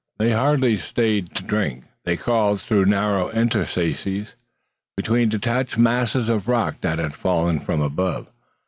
They hardly stayed to drink. They crawled through narrow interstices, between detached masses of rock that had fallen from above.